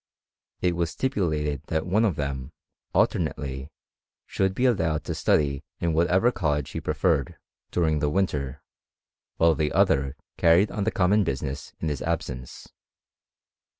It was stipulated that one of them, alternately, should be allowed to study in whatever college he preferred, during the winter, while the other carried on the common business in his absence.